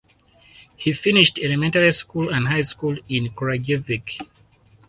He finished elementary school and high school in Kragujevac.